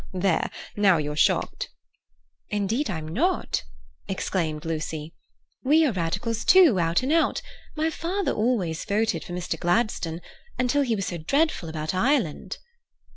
There, now you're shocked." "Indeed, I'm not!" exclaimed Lucy. "We are Radicals, too, out and out. My father always voted for Mr. Gladstone, until he was so dreadful about Ireland."